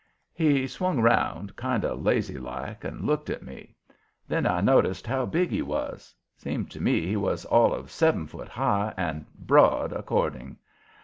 He swung round, kind of lazy like, and looked at me. Then I noticed how big he was. Seemed to me he was all of seven foot high and broad according.